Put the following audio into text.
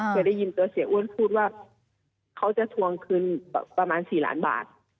เคยได้ยินตัวเสียอ้วนพูดว่าเขาจะทวงคืนประมาณ๔ล้านบาท